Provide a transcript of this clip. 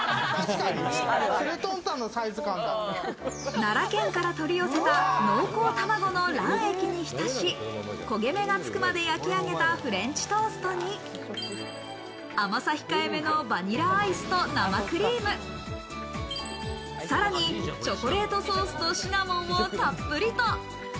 奈良県から取り寄せた濃厚卵の卵液にひたし、焦げ目がつくまで焼き上げたフレンチトーストに甘さ控え目のバニラアイスと生クリーム、さらにチョコレートソースとシナモンをたっぷりと。